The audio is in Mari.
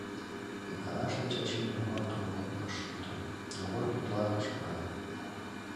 Иканаште Чачи нимомат умылен ыш шукто, Йогор тудлан кычкырале: